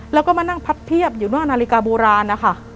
แล้วก็มานั่งพับเพียบอยู่นอกนาฬิกาโบราณนะคะ